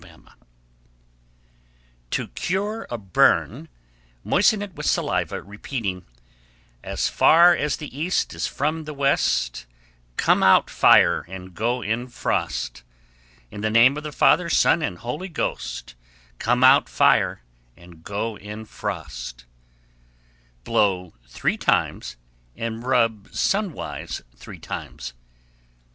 _ 1157. To cure a burn, moisten it with saliva, repeating: As far as the east is from the west, Come out fire and go in frost. In the name of the Father, Son, and Holy Ghost, Come out fire and go in frost. Blow three times, and rub sunwise three times.